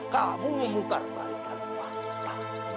kamu memutar balik dari fakta